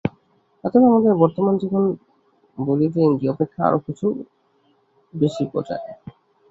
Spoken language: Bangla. অতএব আমাদের বর্তমান জীবন বলিতে ইন্দ্রিয় অপেক্ষা আরও কিছু বেশী বুঝায়।